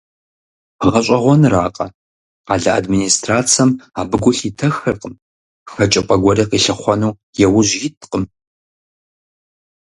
ГъэщӀэгъуэнракъэ, къалэ администрацэм абы гу лъитэххэркъым, хэкӀыпӀэ гуэри къилъыхъуэну яужь иткъым.